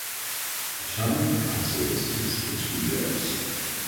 The term of the Council was fixed for three years.